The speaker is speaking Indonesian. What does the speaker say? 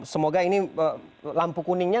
semoga ini lampu kuningnya